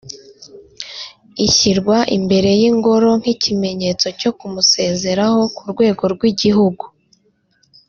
ishyirwa imbere y’Ingoro nk’ikimenyetso cyo kumusezeraho ku rwego rw’igihugu